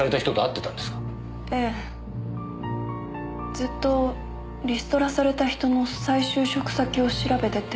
ずっとリストラされた人の再就職先を調べてて。